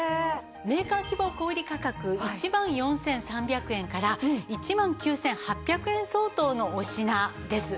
メーカー希望小売価格１万４３００円から１万９８００円相当のお品です。